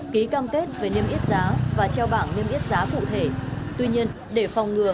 ký cam kết về niêm yết giá và treo bảng niêm yết giá cụ thể tuy nhiên để phòng ngừa